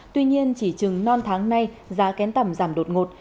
tuy nhiên chỉ chừng non tháng nay giá kén tẩm giảm đột ngột